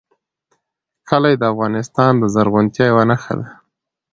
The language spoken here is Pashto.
کلي د افغانستان د زرغونتیا یوه نښه ده.